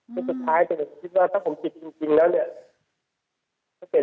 วันสุดท้ายก็ไม่ได้คิดว่าถ้าผมจิตจริงแล้วเนี่ย